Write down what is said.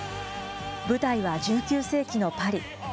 舞台は１９世紀のパリ。